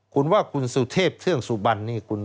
คุณว่าคุณสุเทพเทืองสุบันนี่